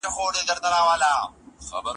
د کپروک له چینو ډک لیښتي بهیږي